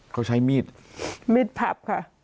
เขาใช้มีดมีดพับค่ะ